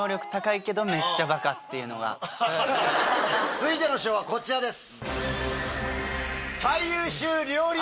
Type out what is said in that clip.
続いての賞はこちらです。